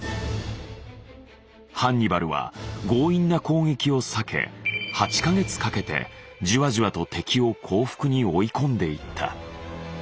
ハンニバルは強引な攻撃を避け８か月かけてじわじわと敵を降伏に追い込んでいった。